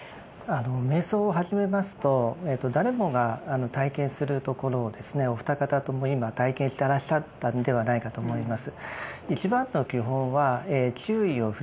瞑想を始めますと誰もが体験するところをですねお二方とも今体験してらっしゃったんではないかと思います。